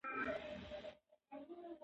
د شپې ناوخته خوراک د وینې فشار لوړوي.